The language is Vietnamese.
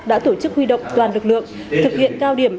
đã tổ chức huy động toàn lực lượng thực hiện cao điểm